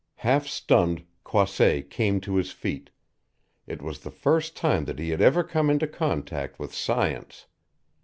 Half stunned Croisset came to his feet. It was the first time that he had ever come into contact with science.